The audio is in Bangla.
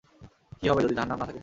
কি হবে যদি জাহান্নাম না থাকে?